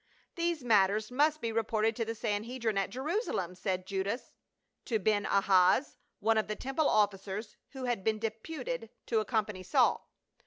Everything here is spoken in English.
"These matters must be reported to the Sanhedrim at Jerusalem," said Judas to Ben Ahaz, one of the temple officers who had been deputed to accompany Saul.